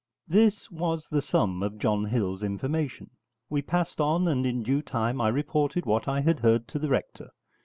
This was the sum of John Hill's information. We passed on, and in due time I reported what I had heard to the Rector.